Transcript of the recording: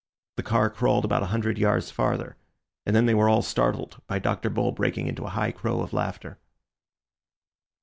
The car crawled about a hundred yards farther, and then they were all startled by Dr. Bull breaking into a high crow of laughter.